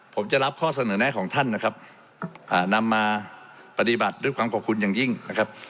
ผมจะรับข้อเสนอแน่ของท่านนะครับนำมาปฏิบัติด้วยความขอบคุณอย่างยิ่งนะครับ